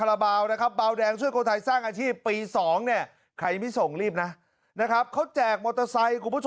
และนะครับก็แดงซึ่งมนผัสอยู่ปี๒เนี่ยใครมิสังนานะครับเขาจักรโมตอไซค์กูพูด